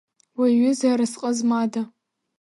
Уи аҩыза аразҟы змада…